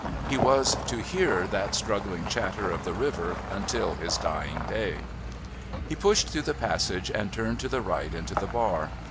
He was to hear that struggling chatter of the river until his dying day. He pushed through the passage and turned to the right into the bar.